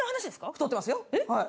太ってますよはい。